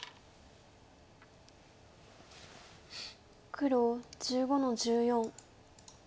黒１５の十四。